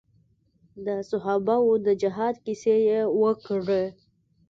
د صحابه وو د جهاد کيسې يې وکړې.